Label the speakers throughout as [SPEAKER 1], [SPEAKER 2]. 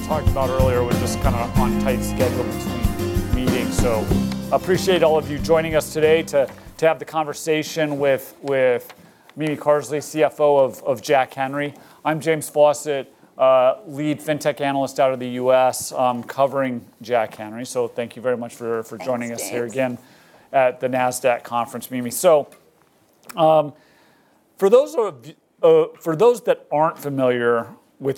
[SPEAKER 1] We were talking about earlier. We're just kind of on a tight schedule between meetings. So I appreciate all of you joining us today to have the conversation with Mimi Carsley, CFO of Jack Henry. I'm James Foss, a lead fintech analyst out of the U.S., covering Jack Henry. So thank you very much for joining us here again at the Nasdaq Conference, Mimi. So for those that aren't familiar with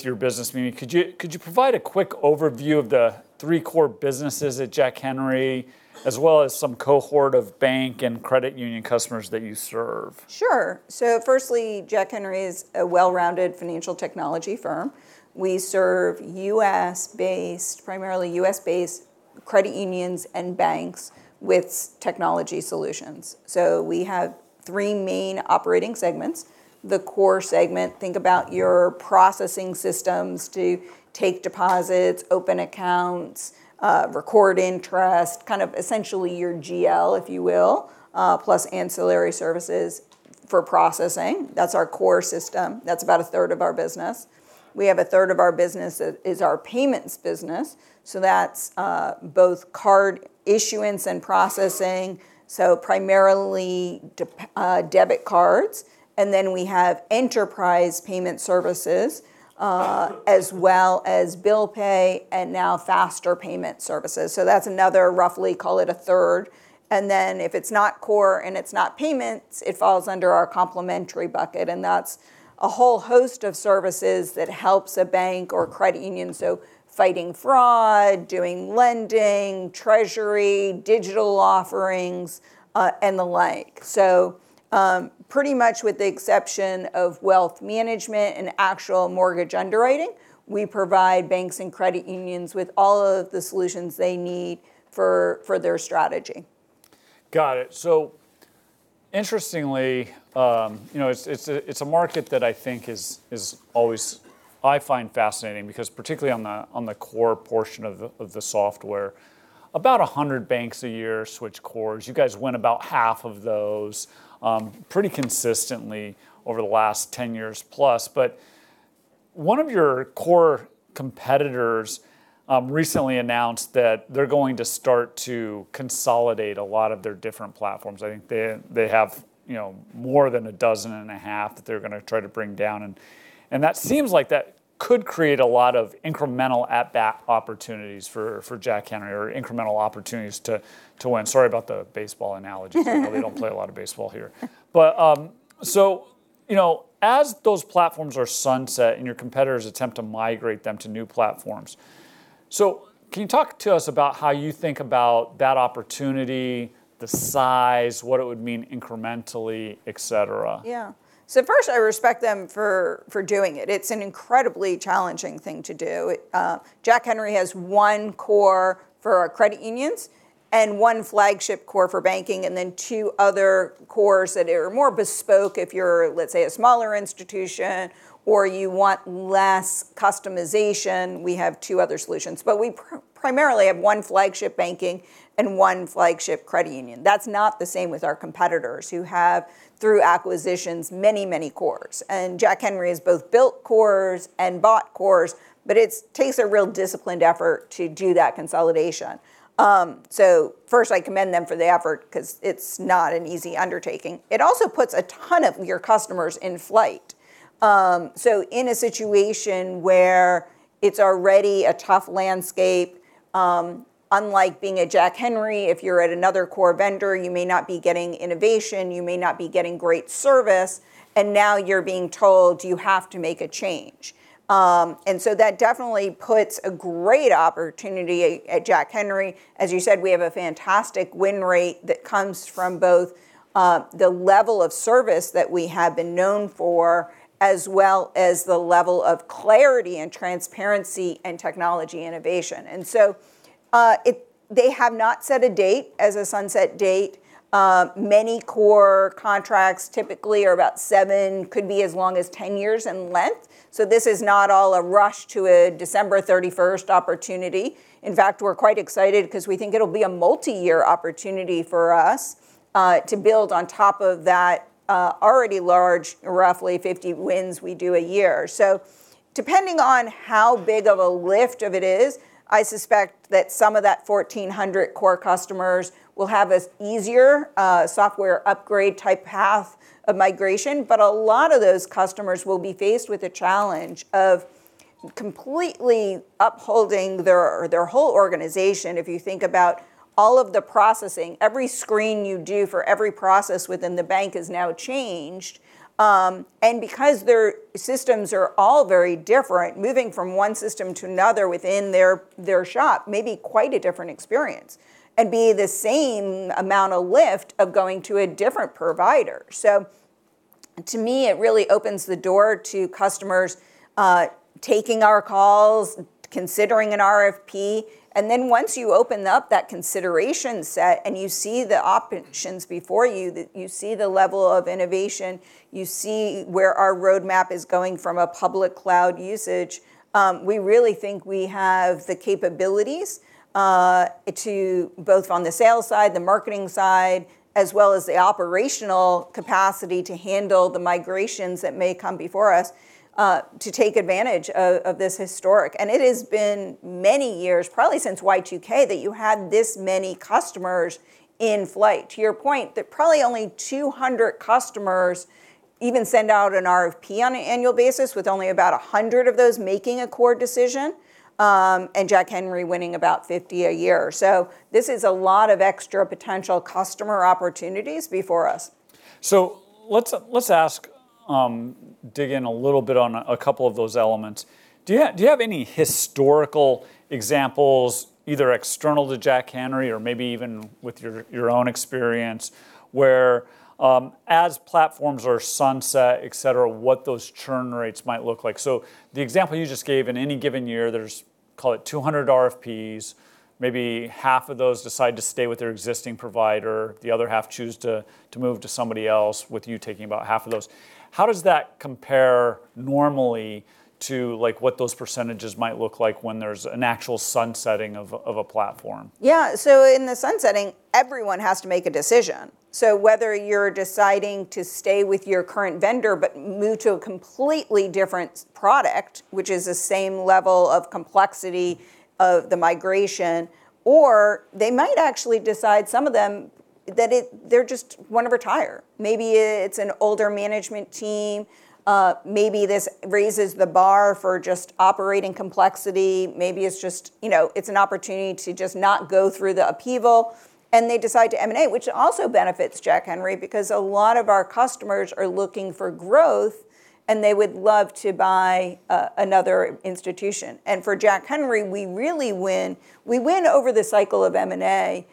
[SPEAKER 1] your business, Mimi, could you provide a quick overview of the three core businesses at Jack Henry, as well as some cohort of bank and credit union customers that you serve?
[SPEAKER 2] Sure. So firstly, Jack Henry is a well-rounded financial technology firm. We serve U.S.-based, primarily U.S.-based credit unions and banks with technology solutions. So we have three main operating segments. The core segment, think about your processing systems to take deposits, open accounts, record interest, kind of essentially your GL, if you will, plus ancillary services for processing. That's our core system. That's about a third of our business. We have a third of our business that is our payments business. So that's both card issuance and processing, so primarily debit cards. And then we have enterprise payment services, as well as bill pay and now faster payment services. So that's another roughly, call it a third. And then if it's not core and it's not payments, it falls under our complementary bucket. And that's a whole host of services that helps a bank or credit union. So fighting fraud, doing lending, treasury, digital offerings, and the like. So pretty much with the exception of wealth management and actual mortgage underwriting, we provide banks and credit unions with all of the solutions they need for their strategy.
[SPEAKER 1] Got it. So interestingly, it's a market that I think is always, I find fascinating because particularly on the core portion of the software, about 100 banks a year switch cores. You guys win about half of those pretty consistently over the last 10 years plus. But one of your core competitors recently announced that they're going to start to consolidate a lot of their different platforms. I think they have more than a dozen and a half that they're going to try to bring down. And that seems like that could create a lot of incremental at-bat opportunities for Jack Henry or incremental opportunities to win. Sorry about the baseball analogy. We don't play a lot of baseball here. But so as those platforms are sunset and your competitors attempt to migrate them to new platforms, so can you talk to us about how you think about that opportunity, the size, what it would mean incrementally, et cetera?
[SPEAKER 2] Yeah. So first, I respect them for doing it. It's an incredibly challenging thing to do. Jack Henry has one core for our credit unions and one flagship core for banking, and then two other cores that are more bespoke if you're, let's say, a smaller institution or you want less customization. We have two other solutions, but we primarily have one flagship banking and one flagship credit union. That's not the same with our competitors who have through acquisitions many, many cores. And Jack Henry has both built cores and bought cores, but it takes a real disciplined effort to do that consolidation. So first, I commend them for the effort because it's not an easy undertaking. It also puts a ton of your customers in flight. So in a situation where it's already a tough landscape, unlike being a Jack Henry, if you're at another core vendor, you may not be getting innovation, you may not be getting great service, and now you're being told you have to make a change. And so that definitely puts a great opportunity at Jack Henry. As you said, we have a fantastic win rate that comes from both the level of service that we have been known for, as well as the level of clarity and transparency and technology innovation. And so they have not set a date as a sunset date. Many core contracts typically are about seven, could be as long as 10 years in length. So this is not all a rush to a December 31st opportunity. In fact, we're quite excited because we think it'll be a multi-year opportunity for us to build on top of that already large roughly 50 wins we do a year. So depending on how big of a lift it is, I suspect that some of that 1,400 core customers will have an easier software upgrade type path of migration. But a lot of those customers will be faced with a challenge of completely upholding their whole organization. If you think about all of the processing, every screen you do for every process within the bank is now changed. And because their systems are all very different, moving from one system to another within their shop may be quite a different experience and be the same amount of lift of going to a different provider. So to me, it really opens the door to customers taking our calls, considering an RFP. And then once you open up that consideration set and you see the options before you, you see the level of innovation, you see where our roadmap is going from a public cloud usage. We really think we have the capabilities to both on the sales side, the marketing side, as well as the operational capacity to handle the migrations that may come before us to take advantage of this historic. And it has been many years, probably since Y2K, that you had this many customers in flight. To your point, that probably only 200 customers even send out an RFP on an annual basis with only about 100 of those making a core decision and Jack Henry winning about 50 a year. So this is a lot of extra potential customer opportunities before us.
[SPEAKER 1] So let's dig in a little bit on a couple of those elements. Do you have any historical examples, either external to Jack Henry or maybe even with your own experience, where as platforms are sunset, et cetera, what those churn rates might look like? So the example you just gave, in any given year, there's call it 200 RFPs, maybe half of those decide to stay with their existing provider, the other half choose to move to somebody else with you taking about half of those. How does that compare normally to what those percentages might look like when there's an actual sunsetting of a platform?
[SPEAKER 2] Yeah. So in the sunsetting, everyone has to make a decision. So whether you're deciding to stay with your current vendor but move to a completely different product, which is the same level of complexity of the migration, or they might actually decide some of them that they're just want to retire. Maybe it's an older management team. Maybe this raises the bar for just operating complexity. Maybe it's just an opportunity to just not go through the upheaval. And they decide to M&A, which also benefits Jack Henry because a lot of our customers are looking for growth and they would love to buy another institution. And for Jack Henry, we really win. We win over the cycle of M&A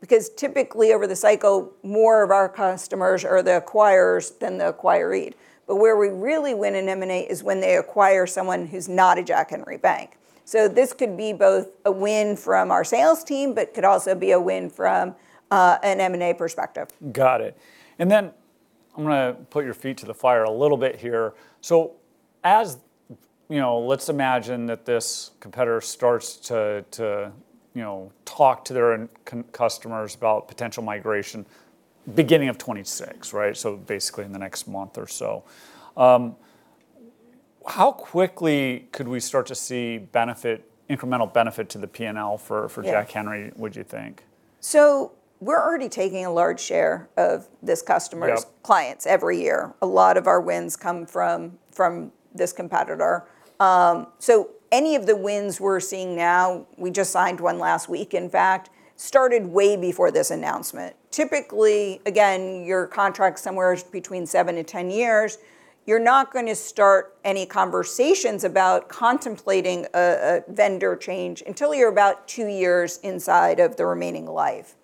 [SPEAKER 2] because typically over the cycle, more of our customers are the acquirers than the acquirees. But where we really win in M&A is when they acquire someone who's not a Jack Henry bank. So this could be both a win from our sales team, but could also be a win from an M&A perspective.
[SPEAKER 1] Got it. And then I'm going to put your feet to the fire a little bit here. So let's imagine that this competitor starts to talk to their customers about potential migration beginning of 2026, right? So basically in the next month or so. How quickly could we start to see incremental benefit to the P&L for Jack Henry, would you think?
[SPEAKER 2] We're already taking a large share of this customer's clients every year. A lot of our wins come from this competitor. So any of the wins we're seeing now, we just signed one last week, in fact, started way before this announcement. Typically, again, your contract's somewhere between seven to 10 years. You're not going to start any conversations about contemplating a vendor change until you're about two years inside of the remaining life.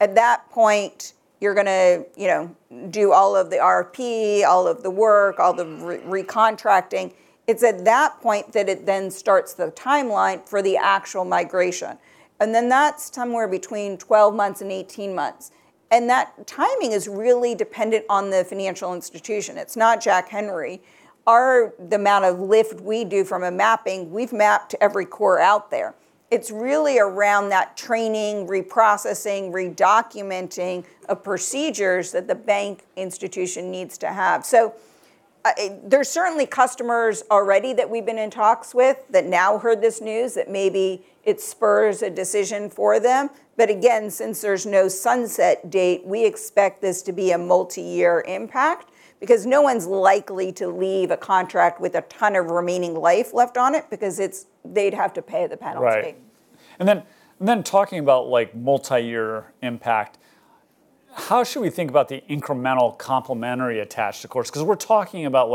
[SPEAKER 2] At that point, you're going to do all of the RFP, all of the work, all the recontracting. It's at that point that it then starts the timeline for the actual migration. And then that's somewhere between 12 months and 18 months. And that timing is really dependent on the financial institution. It's not Jack Henry. The amount of lift we do from a mapping, we've mapped every core out there. It's really around that training, reprocessing, redocumenting of procedures that the bank institution needs to have. So there's certainly customers already that we've been in talks with that now heard this news that maybe it spurs a decision for them. But again, since there's no sunset date, we expect this to be a multi-year impact because no one's likely to leave a contract with a ton of remaining life left on it because they'd have to pay the penalty.
[SPEAKER 1] Right. And then talking about multi-year impact, how should we think about the incremental complementary attached to cores? Because we're talking about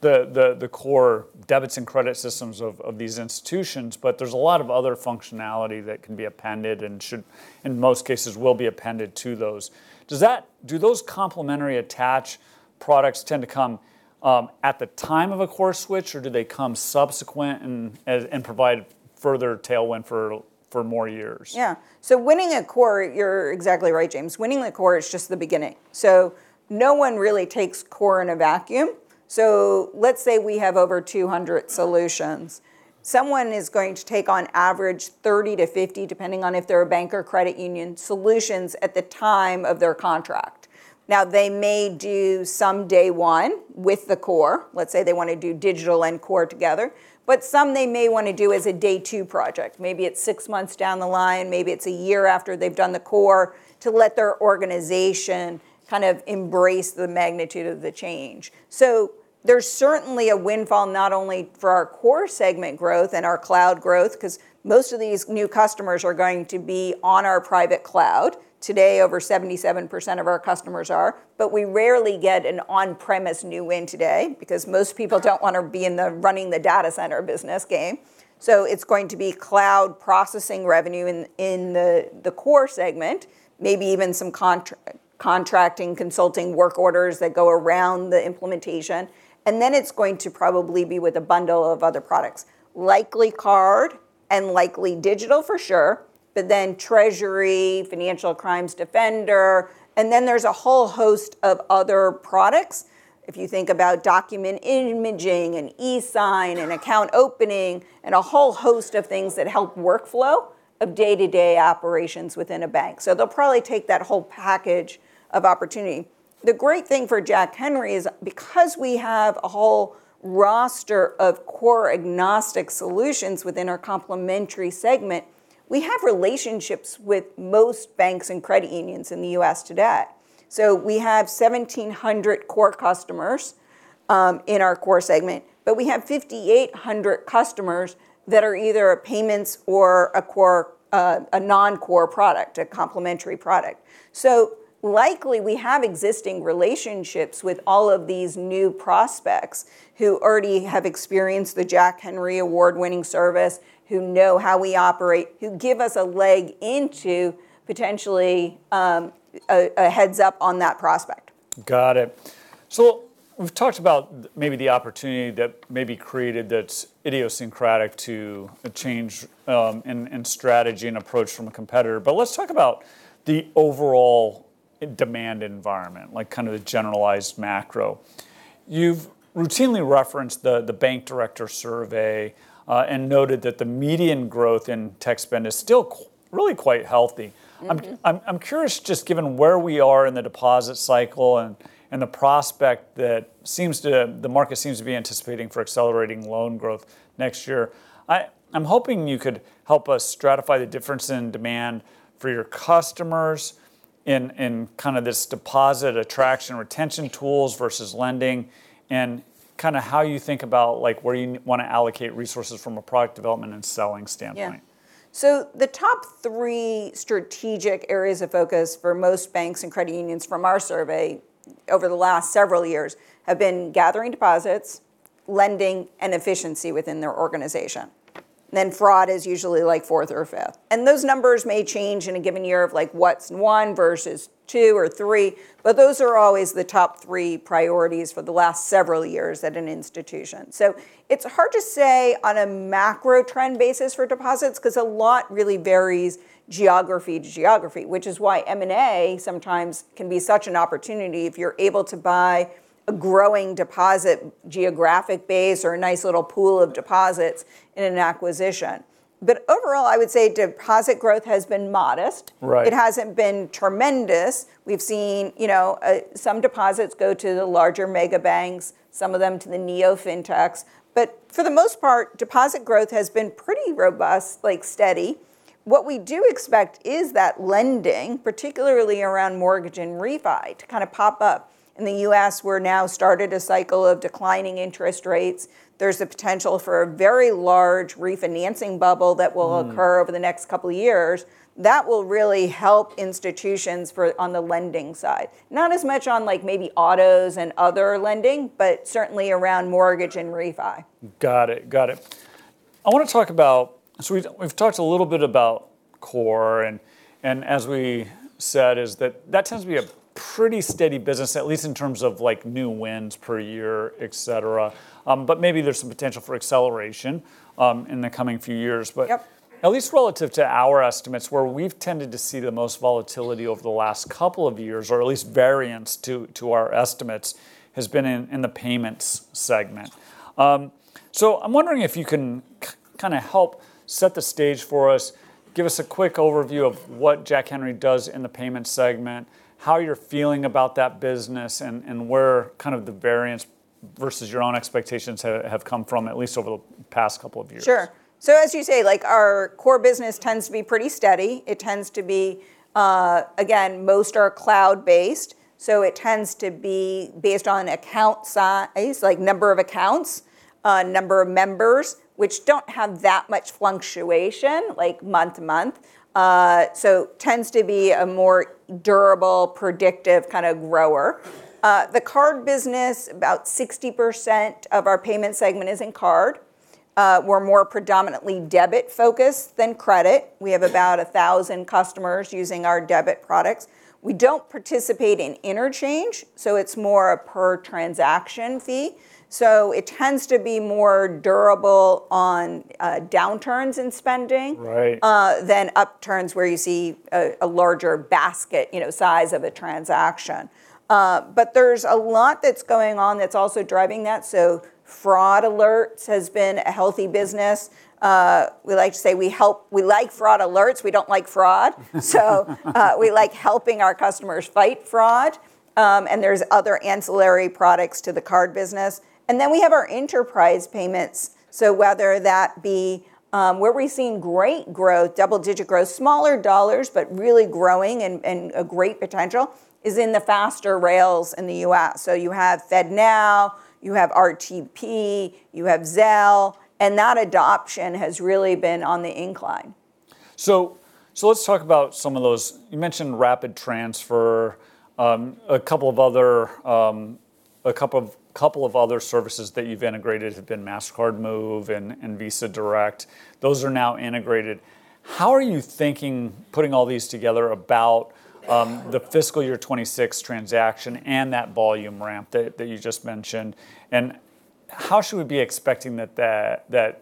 [SPEAKER 1] the core debits and credit systems of these institutions, but there's a lot of other functionality that can be appended and should in most cases will be appended to those. Do those complementary attached products tend to come at the time of a core switch, or do they come subsequent and provide further tailwind for more years?
[SPEAKER 2] Yeah. So winning a core, you're exactly right, James. Winning a core is just the beginning. So no one really takes core in a vacuum. So let's say we have over 200 solutions. Someone is going to take on average 30 to 50, depending on if they're a bank or credit union, solutions at the time of their contract. Now, they may do some day one with the core. Let's say they want to do digital and core together, but some they may want to do as a day two project. Maybe it's six months down the line. Maybe it's a year after they've done the core to let their organization kind of embrace the magnitude of the change. So there's certainly a windfall not only for our core segment growth and our cloud growth, because most of these new customers are going to be on our private cloud. Today, over 77% of our customers are, but we rarely get an on-premise new win today because most people don't want to be running the data center business game. So it's going to be cloud processing revenue in the core segment, maybe even some contracting, consulting work orders that go around the implementation. And then it's going to probably be with a bundle of other products, likely card and likely digital for sure, but then treasury, Financial Crimes Defender. And then there's a whole host of other products. If you think about document imaging and e-sign and account opening and a whole host of things that help workflow of day-to-day operations within a bank. So they'll probably take that whole package of opportunity. The great thing for Jack Henry is because we have a whole roster of core agnostic solutions within our complementary segment, we have relationships with most banks and credit unions in the U.S. today. So we have 1,700 core customers in our core segment, but we have 5,800 customers that are either a payments or a non-core product, a complementary product. So likely we have existing relationships with all of these new prospects who already have experienced the Jack Henry award-winning service, who know how we operate, who give us a leg into potentially a heads-up on that prospect.
[SPEAKER 1] Got it. So we've talked about maybe the opportunity that maybe created that's idiosyncratic to a change in strategy and approach from a competitor, but let's talk about the overall demand environment, kind of the generalized macro. You've routinely referenced the Bank Director survey and noted that the median growth in tech spend is still really quite healthy. I'm curious, just given where we are in the deposit cycle and the prospect that the market seems to be anticipating for accelerating loan growth next year, I'm hoping you could help us stratify the difference in demand for your customers in kind of this deposit attraction retention tools versus lending and kind of how you think about where you want to allocate resources from a product development and selling standpoint.
[SPEAKER 2] Yeah. So the top three strategic areas of focus for most banks and credit unions from our survey over the last several years have been gathering deposits, lending, and efficiency within their organization. Then fraud is usually like fourth or fifth. And those numbers may change in a given year of what's one versus two or three, but those are always the top three priorities for the last several years at an institution. So it's hard to say on a macro trend basis for deposits because a lot really varies geography to geography, which is why M&A sometimes can be such an opportunity if you're able to buy a growing deposit geographic base or a nice little pool of deposits in an acquisition. But overall, I would say deposit growth has been modest. It hasn't been tremendous. We've seen some deposits go to the larger mega banks, some of them to the neo fintechs. But for the most part, deposit growth has been pretty robust, like steady. What we do expect is that lending, particularly around mortgage and refi, to kind of pop up. In the U.S., we're now started a cycle of declining interest rates. There's a potential for a very large refinancing bubble that will occur over the next couple of years that will really help institutions on the lending side. Not as much on maybe autos and other lending, but certainly around mortgage and refi.
[SPEAKER 1] Got it. Got it. I want to talk about, so we've talked a little bit about core. And as we said, that tends to be a pretty steady business, at least in terms of new wins per year, et cetera. But maybe there's some potential for acceleration in the coming few years. But at least relative to our estimates, where we've tended to see the most volatility over the last couple of years, or at least variance to our estimates, has been in the payments segment. So I'm wondering if you can kind of help set the stage for us, give us a quick overview of what Jack Henry does in the payments segment, how you're feeling about that business, and where kind of the variance versus your own expectations have come from, at least over the past couple of years.
[SPEAKER 2] Sure. So as you say, our core business tends to be pretty steady. It tends to be, again, most are cloud-based. So it tends to be based on account size, like number of accounts, number of members, which don't have that much fluctuation like month-to-month. So tends to be a more durable, predictive kind of grower. The card business, about 60% of our payment segment is in card. We're more predominantly debit-focused than credit. We have about 1,000 customers using our debit products. We don't participate in interchange, so it's more a per transaction fee. So it tends to be more durable on downturns in spending than upturns where you see a larger basket size of a transaction. But there's a lot that's going on that's also driving that. So fraud alerts has been a healthy business. We like to say we like fraud alerts. We don't like fraud. We like helping our customers fight fraud. And there's other ancillary products to the card business. And then we have our enterprise payments. So whether that be where we're seeing great growth, double-digit growth, smaller dollars, but really growing and a great potential is in the faster rails in the U.S. So you have FedNow, you have RTP, you have Zelle, and that adoption has really been on the incline.
[SPEAKER 1] So let's talk about some of those. You mentioned Rapid Transfer. A couple of other services that you've integrated have been Mastercard Move and Visa Direct. Those are now integrated. How are you thinking, putting all these together about the fiscal year 2026 transaction and that volume ramp that you just mentioned? And how should we be expecting that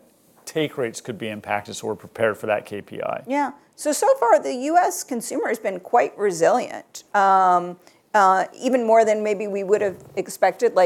[SPEAKER 1] take rates could be impacted so we're prepared for that KPI?
[SPEAKER 2] Yeah. So, so far, the U.S. consumer has been quite resilient, even more than maybe we would have expected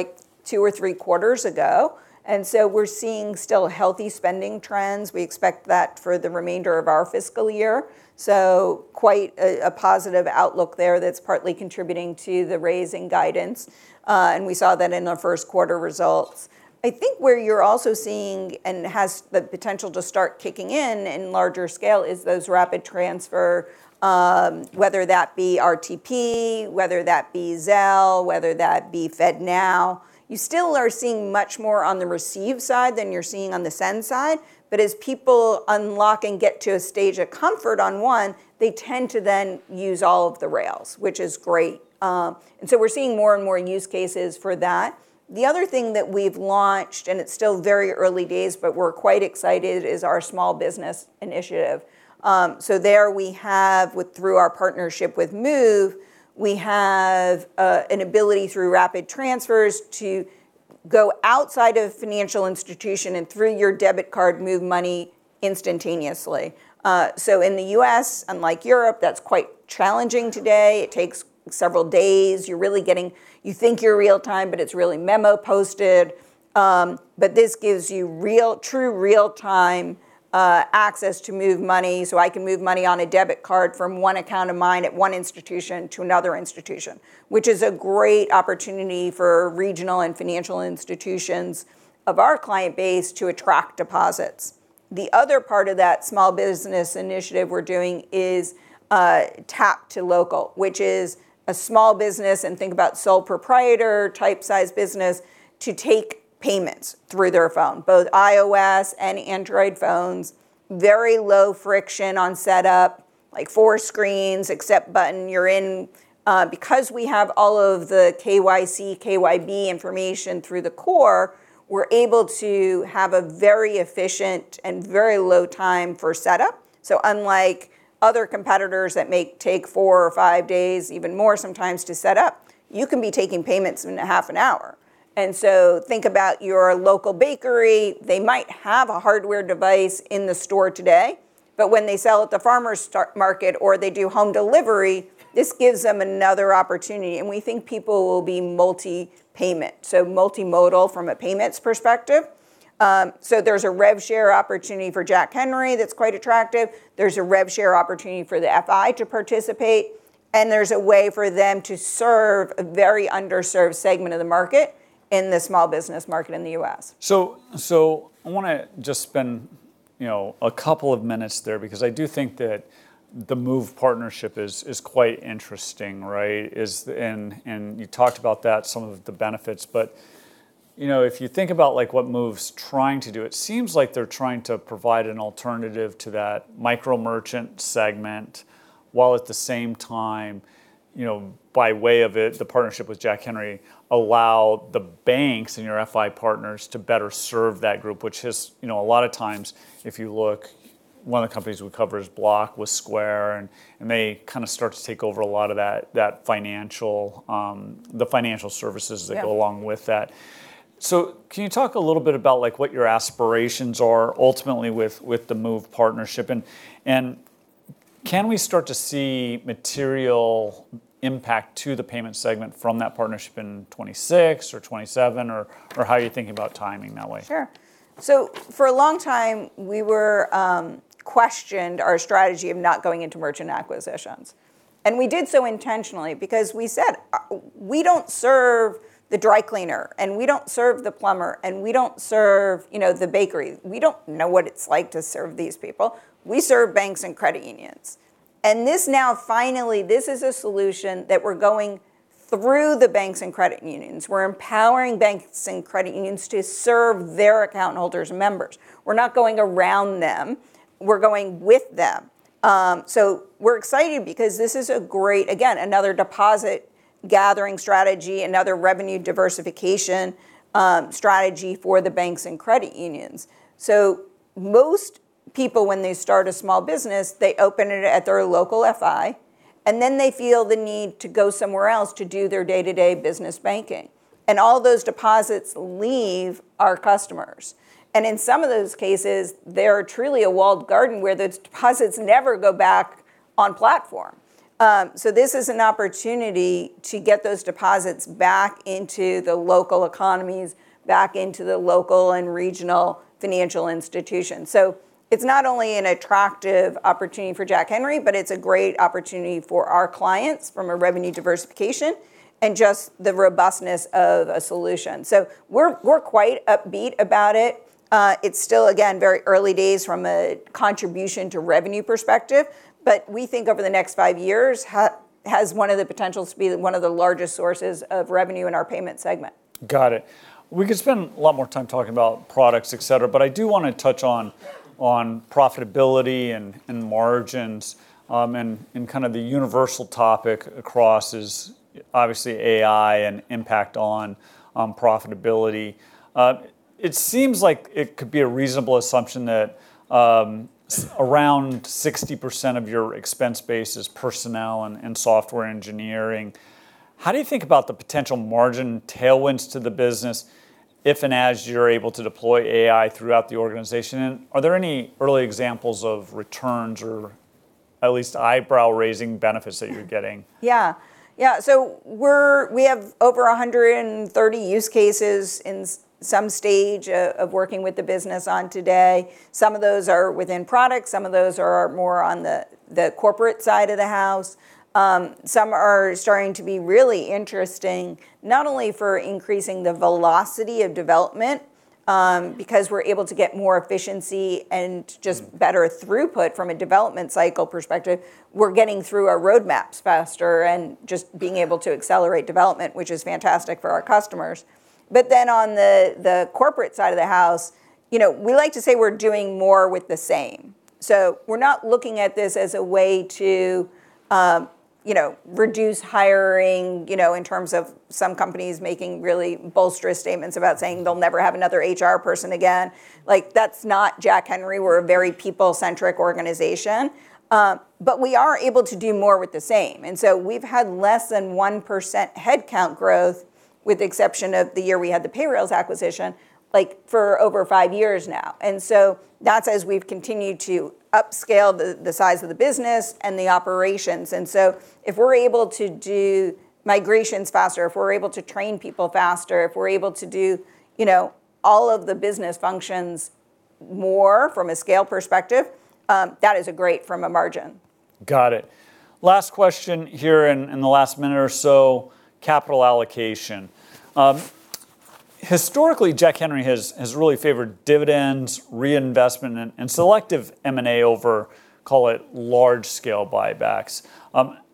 [SPEAKER 2] two or three quarters ago. And so we're seeing still healthy spending trends. We expect that for the remainder of our fiscal year. So quite a positive outlook there that's partly contributing to the raising guidance. And we saw that in the first quarter results. I think where you're also seeing and has the potential to start kicking in in larger scale is those rapid transfer, whether that be RTP, whether that be Zelle, whether that be FedNow. You still are seeing much more on the receive side than you're seeing on the send side. But as people unlock and get to a stage of comfort on one, they tend to then use all of the rails, which is great. And so we're seeing more and more use cases for that. The other thing that we've launched, and it's still very early days, but we're quite excited, is our small business initiative. So there we have, through our partnership with Move, we have an ability through rapid transfers to go outside of financial institution and through your debit card move money instantaneously. So in the U.S., unlike Europe, that's quite challenging today. It takes several days. You're really getting, you think you're real time, but it's really memo posted. But this gives you true real-time access to move money. So I can move money on a debit card from one account of mine at one institution to another institution, which is a great opportunity for regional and financial institutions of our client base to attract deposits. The other part of that small business initiative we're doing is tap to local, which is a small business, and think about sole proprietor type size business to take payments through their phone, both iOS and Android phones, very low friction on setup, like four screens, accept button, you're in. Because we have all of the KYC, KYB information through the core, we're able to have a very efficient and very low time for setup. So unlike other competitors that may take four or five days, even more sometimes to set up, you can be taking payments in a half an hour. And so think about your local bakery. They might have a hardware device in the store today, but when they sell at the farmer's market or they do home delivery, this gives them another opportunity. And we think people will be multi-payment, so multimodal from a payments perspective. So there's a rev share opportunity for Jack Henry that's quite attractive. There's a rev share opportunity for the FI to participate. And there's a way for them to serve a very underserved segment of the market in the small business market in the U.S.
[SPEAKER 1] So I want to just spend a couple of minutes there because I do think that the Move partnership is quite interesting, right? And you talked about that, some of the benefits. But if you think about what Move's trying to do, it seems like they're trying to provide an alternative to that micro merchant segment, while at the same time, by way of it, the partnership with Jack Henry allowed the banks and your FI partners to better serve that group, which is a lot of times, if you look, one of the companies we cover is Block with Square, and they kind of start to take over a lot of that financial, the financial services that go along with that. So can you talk a little bit about what your aspirations are ultimately with the Move partnership? Can we start to see material impact to the payment segment from that partnership in 2026 or 2027, or how you're thinking about timing that way?
[SPEAKER 2] Sure. So for a long time, we were questioned our strategy of not going into merchant acquisitions. And we did so intentionally because we said, we don't serve the dry cleaner, and we don't serve the plumber, and we don't serve the bakery. We don't know what it's like to serve these people. We serve banks and credit unions. And this now finally, this is a solution that we're going through the banks and credit unions. We're empowering banks and credit unions to serve their account holders and members. We're not going around them. We're going with them. So we're excited because this is a great, again, another deposit gathering strategy, another revenue diversification strategy for the banks and credit unions. Most people, when they start a small business, open it at their local FI, and then they feel the need to go somewhere else to do their day-to-day business banking. All those deposits leave our customers. In some of those cases, they're truly a walled garden where those deposits never go back on platform. This is an opportunity to get those deposits back into the local economies, back into the local and regional financial institutions. It's not only an attractive opportunity for Jack Henry, but it's a great opportunity for our clients from a revenue diversification and just the robustness of a solution. We're quite upbeat about it. It's still, again, very early days from a contribution to revenue perspective, but we think over the next five years has one of the potentials to be one of the largest sources of revenue in our payment segment.
[SPEAKER 1] Got it. We could spend a lot more time talking about products, et cetera, but I do want to touch on profitability and margins and kind of the universal topic across is obviously AI and impact on profitability. It seems like it could be a reasonable assumption that around 60% of your expense base is personnel and software engineering. How do you think about the potential margin tailwinds to the business if and as you're able to deploy AI throughout the organization? And are there any early examples of returns or at least eyebrow-raising benefits that you're getting?
[SPEAKER 2] Yeah. Yeah. So we have over 130 use cases in some stage of working with the business on today. Some of those are within products. Some of those are more on the corporate side of the house. Some are starting to be really interesting, not only for increasing the velocity of development because we're able to get more efficiency and just better throughput from a development cycle perspective. We're getting through our roadmaps faster and just being able to accelerate development, which is fantastic for our customers. But then on the corporate side of the house, we like to say we're doing more with the same. So we're not looking at this as a way to reduce hiring in terms of some companies making really blustery statements about saying they'll never have another HR person again. That's not Jack Henry. We're a very people-centric organization. But we are able to do more with the same. And so we've had less than 1% headcount growth with the exception of the year we had the Payrailz acquisition for over five years now. And so that's as we've continued to scale up the size of the business and the operations. And so if we're able to do migrations faster, if we're able to train people faster, if we're able to do all of the business functions more from a scale perspective, that is great from a margin.
[SPEAKER 1] Got it. Last question here in the last minute or so, capital allocation. Historically, Jack Henry has really favored dividends, reinvestment, and selective M&A over, call it large-scale buybacks.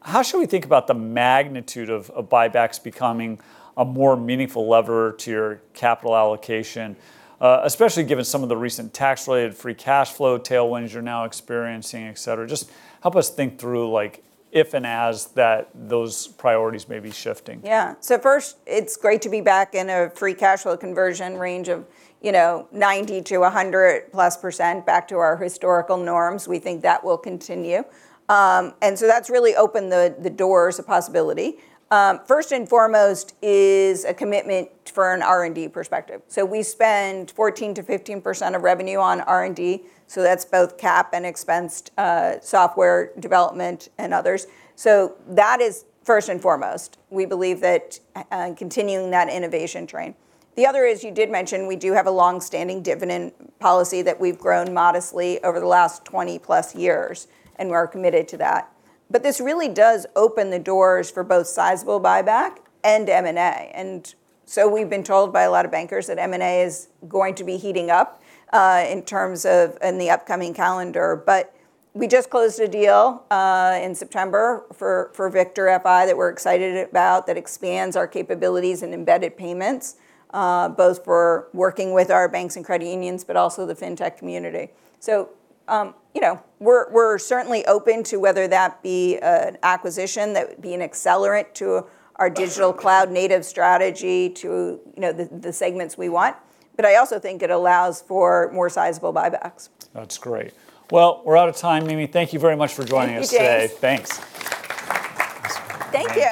[SPEAKER 1] How should we think about the magnitude of buybacks becoming a more meaningful lever to your capital allocation, especially given some of the recent tax-related free cash flow tailwinds you're now experiencing, et cetera? Just help us think through if and as those priorities may be shifting.
[SPEAKER 2] Yeah. So first, it's great to be back in a free cash flow conversion range of 90%-100% plus back to our historical norms. We think that will continue. And so that's really opened the doors of possibility. First and foremost is a commitment for an R&D perspective. So we spend 14%-15% of revenue on R&D. So that's both CapEx and OpEx software development and others. So that is first and foremost. We believe that continuing that innovation train. The other is you did mention we do have a long-standing dividend policy that we've grown modestly over the last 20+ years, and we're committed to that. But this really does open the doors for both sizable buyback and M&A. And so we've been told by a lot of bankers that M&A is going to be heating up in terms of the upcoming calendar. But we just closed a deal in September for Victor FI that we're excited about that expands our capabilities and embedded payments, both for working with our banks and credit unions, but also the fintech community. So we're certainly open to whether that be an acquisition that would be an accelerant to our digital cloud native strategy to the segments we want. But I also think it allows for more sizable buybacks.
[SPEAKER 1] That's great. Well, we're out of time, Mimi. Thank you very much for joining us today.
[SPEAKER 2] Thank you.
[SPEAKER 1] Thanks.
[SPEAKER 2] Thank you.